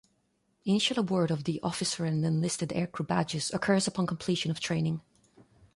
Initial award of the Officer and Enlisted Aircrew Badges occurs upon completion of training.